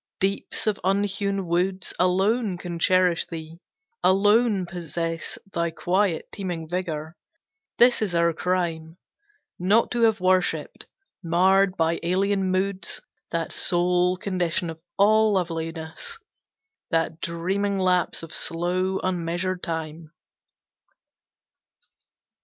Deeps of unhewn woods Alone can cherish thee, alone possess Thy quiet, teeming vigor. This our crime: Not to have worshipped, marred by alien moods That sole condition of all loveliness, The dreaming lapse of slow, unmeasured time.